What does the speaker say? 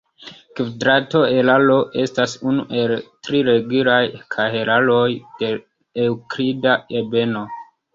Kvadrato kahelaro estas unu el tri regulaj kahelaroj de la eŭklida ebeno.